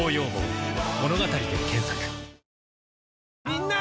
みんな！